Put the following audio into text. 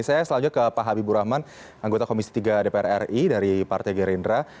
saya selanjutnya ke pak habibur rahman anggota komisi tiga dpr ri dari partai gerindra